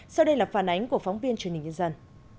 sau đây là phản ánh của phóng viên truyền hình nhân dân